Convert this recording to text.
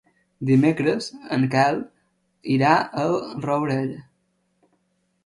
Dimecres en Quel irà al Rourell.